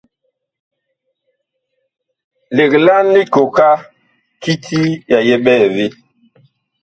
Legla likooka kiti ya yɛ ɓɛɛvee.